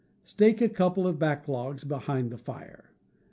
Stake a couple of backlogs behind the fire.